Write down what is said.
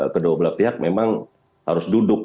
kedua belah pihak memang harus duduk